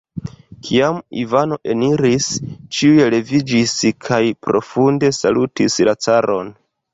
Kiam Ivano eniris, ĉiuj leviĝis kaj profunde salutis la caron.